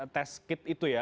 tes kit itu ya